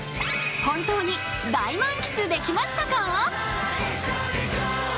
本当に大満喫できましたか？